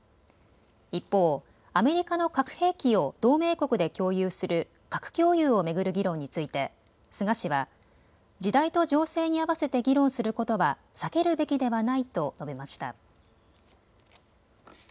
一方、アメリカの核兵器を同盟国で共有する核共有を巡る議論について菅氏は時代と情勢に合わせて議論することは避けるべきではないと述べました。